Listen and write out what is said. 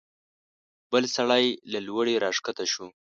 بل سړی له لوړې راکښته شو.